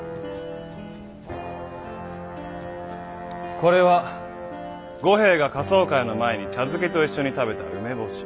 これは五兵衛が仮装会の前に茶漬けと一緒に食べた梅干し。